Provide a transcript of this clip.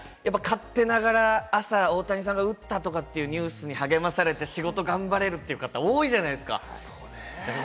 ただ勝手ながら、朝、大谷さんが打ったとかいうニュースに励まされて仕事頑張れるって方、多いじゃないですか。